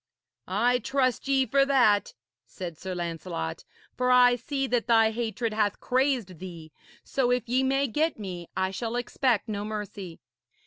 'I trust ye for that,' said Sir Lancelot, 'for I see that thy hatred hath crazed thee. So, if ye may get me, I shall expect no mercy.'